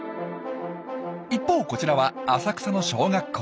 一方こちらは浅草の小学校。